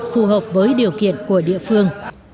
phù hợp với điều kiện của địa phương